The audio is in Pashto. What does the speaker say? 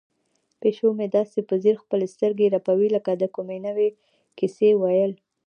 پیشو مې داسې په ځیر خپلې سترګې رپوي لکه د کومې نوې کیسې ویل.